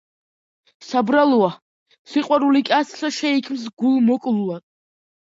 საბრალოა, სიყვარული კაცსა შეიქმს გულმოკლულად